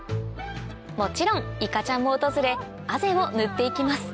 もちろんいかちゃんも訪れあぜを塗って行きます